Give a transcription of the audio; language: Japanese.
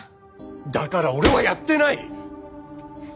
だから俺はやってない！